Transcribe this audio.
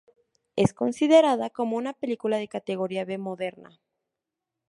Es considerada como una película de categoría B moderna.